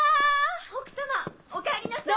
奥様おかえりなさい！